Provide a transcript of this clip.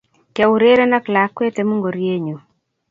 kiaureren ak lakwee em ngoriee nyu